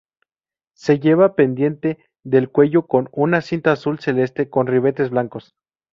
Se lleva pendiente del cuello con una cinta azul celeste con ribetes blancos.